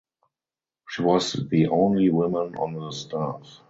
She was the only woman on the staff.